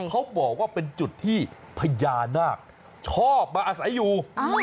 เขาบอกว่าเป็นจุดที่พญานาคชอบมาอาศัยอยู่